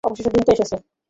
অবশেষে দিনটা এসেছে!